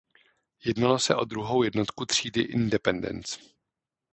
Jednalo se o druhou jednotku třídy "Independence".